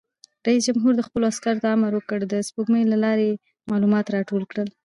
رئیس جمهور خپلو عسکرو ته امر وکړ؛ د سپوږمکۍ له لارې معلومات راټول کړئ!